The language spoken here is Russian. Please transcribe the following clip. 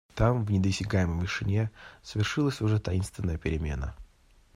Там, в недосягаемой вышине, совершилась уже таинственная перемена.